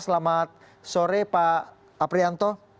selamat sore pak aprianto